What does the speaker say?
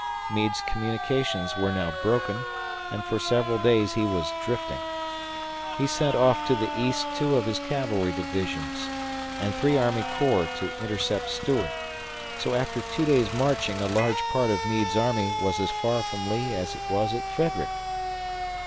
Meade's communications were now broken, and for several days he was drifting. He sent off to the east two of his cavalry divisions and three army corps to intercept Stuart, so after two days' marching a large part of Meade's army was as far from Lee as it was at Frederick.